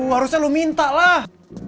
harusnya lu minta lah